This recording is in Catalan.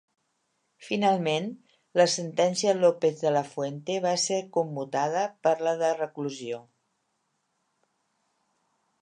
Finalment, la sentència a López de la Fuente va ser commutada per la de reclusió.